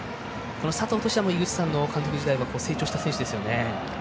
佐藤としては井口さんの監督時代より成長した選手ですよね。